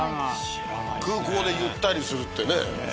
空港でゆったりするってね。